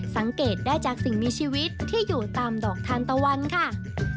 สังเกตได้จากสิ่งมีชีวิตที่อยู่ตามดอกทานตะวันค่ะ